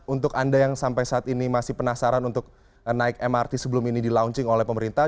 untuk anda yang sampai saat ini masih penasaran untuk naik mrt sebelum ini di launching oleh pemerintah